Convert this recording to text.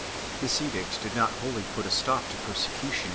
This edict did not wholly put a stop to persecution in 1 Lactantius.